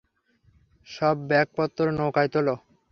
সব ব্যাগপত্তর নৌকায় তোলো!